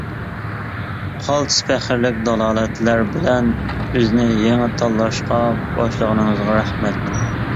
قالتىس پەخىرلىك دالالەتلەر بىلەن بىزنى يېڭى تاللاشقا باشلىغىنىڭىزغا رەھمەت!